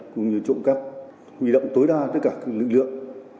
cũng như trộm cắp huy động tối đa tất cả các lực lượng